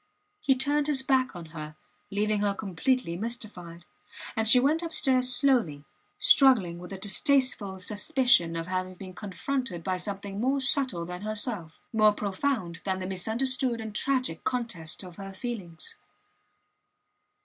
He turned his back on her, leaving her completely mystified. And she went upstairs slowly, struggling with a distasteful suspicion of having been confronted by something more subtle than herself more profound than the misunderstood and tragic contest of her feelings.